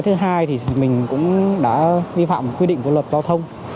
thứ hai thì mình cũng đã vi phạm quy định của luật giao thông